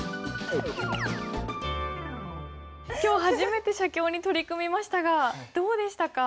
今日初めて写経に取り組みましたがどうでしたか？